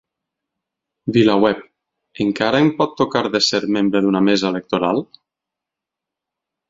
VilaWeb: Encara em pot tocar de ser membre d’una mesa electoral?